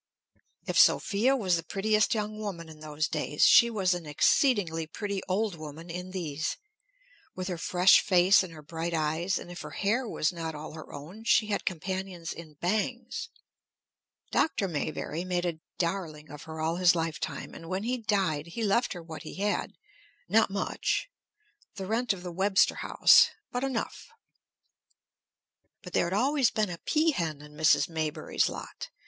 If Sophia was the prettiest young woman in those days, she was an exceedingly pretty old woman in these, with her fresh face and her bright eyes, and if her hair was not all her own, she had companions in bangs. Dr. Maybury made a darling of her all his lifetime, and when he died he left her what he had; not much, the rent of the Webster House, but enough. But there had always been a pea hen in Mrs. Maybury's lot.